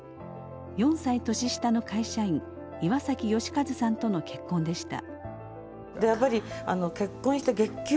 ４歳年下の会社員岩崎嘉一さんとの結婚でした。